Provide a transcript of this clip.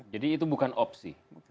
jadi itu bukan opsi